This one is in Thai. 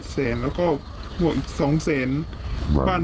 แสนแล้วก็บวกอีก๒แสน